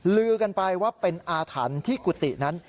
ลือกันไปว่าเป็นอาถรรพ์ที่กุฏินั้น